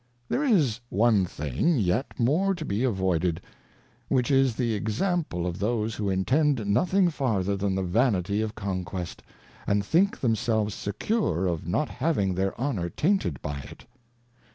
There is one thing, yet more to be avoided, which is the Example of those who intend nothing farther than the Vanity of Conquest, and think themselves secure of not having their Honour tainted by it.